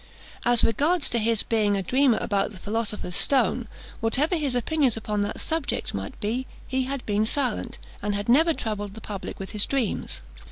As regarded his being a dreamer about the philosopher's stone, whatever his opinions upon that subject might be, he had been silent, and had never troubled the public with his dreams.